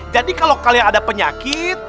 jadi kalau kalian ada penyakit